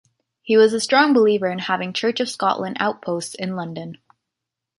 He was a strong believer in having Church of Scotland outposts in London.